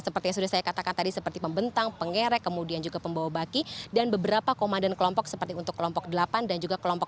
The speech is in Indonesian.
seperti yang sudah saya katakan tadi seperti pembentang pengerek kemudian juga pembawa baki dan beberapa komandan kelompok seperti untuk kelompok delapan dan juga kelompok